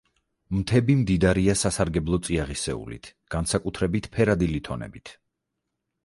მთები მდიდარია სასარგებლო წიაღისეულით, განსაკუთრებით ფერადი ლითონებით.